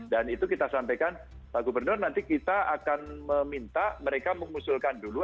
dan itu kita sampaikan pak gubernur nanti kita akan meminta mereka mengusulkan dulu